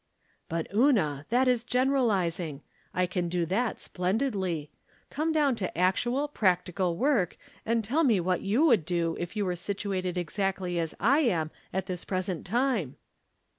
" But, Una, that is generahzing. I can do that splendidly. Come down to actual, practical work, and tell me what you would do if you were situated exactly as I am at this present time."